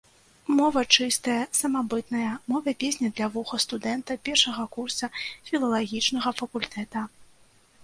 Мова чыстая, самабытная, мова-песня для вуха студэнта першага курса філалагічнага факультэта.